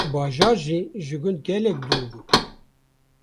bajar jî ji gund gelek dûr bû.